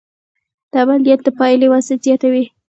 د عمل نیت د پایلې وزن زیاتوي.